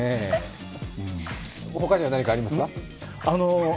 他には何かありますか？